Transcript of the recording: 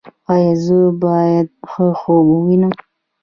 ایا زه باید ښه خوب ووینم؟